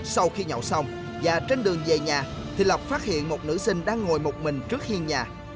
sau khi nhậu xong và trên đường về nhà thì lộc phát hiện một nữ sinh đang ngồi một mình trước hiên nhà